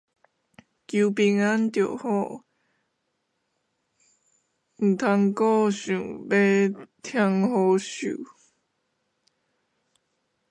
求平安就好，毋通閣想欲添福壽